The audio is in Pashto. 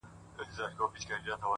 • په موږ کي بند دی ـ